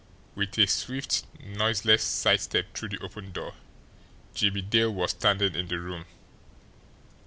With a swift, noiseless side step through the open door, Jimmie Dale was standing in the room.